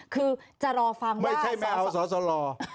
คือจะรอฟังไม่ใช่ไม่เอาสอสล